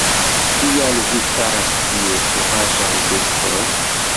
Kial vi staras tie, sovaĝaj bestoj?